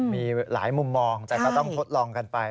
มีหลายมุมมองแต่ก็ต้องทดลองกันไป